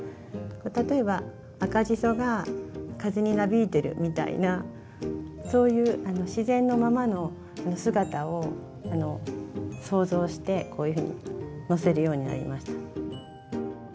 例えば赤じそが風になびいてるみたいなそういう自然のままの姿を想像してこういうふうにのせるようになりました。